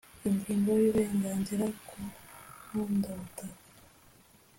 Ingingo y’Uburenganzira ku nkondabutaka